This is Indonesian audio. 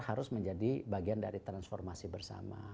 harus menjadi bagian dari transformasi bersama